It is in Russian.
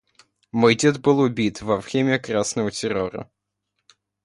Мой дед был убит во время красного террора.